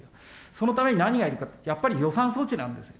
そのために何やるかというと、やっぱり予算措置なんです。